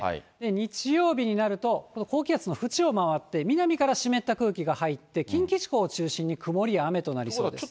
日曜日になると、高気圧の縁を回って南から湿った空気が入って、近畿地方を中心に曇りや雨となりそうです。